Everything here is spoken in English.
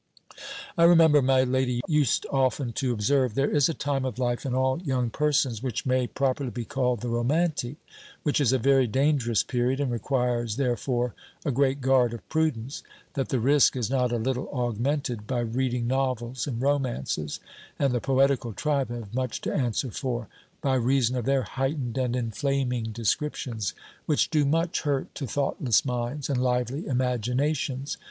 "I remember my lady used often to observe, there is a time of life in all young persons, which may properly be called the romantic, which is a very dangerous period, and requires therefore a great guard of prudence; that the risque is not a little augmented by reading novels and romances; and the poetical tribe have much to answer for, by reason of their heightened and inflaming descriptions, which do much hurt to thoughtless minds, and lively imaginations.